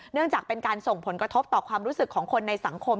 จากเป็นการส่งผลกระทบต่อความรู้สึกของคนในสังคม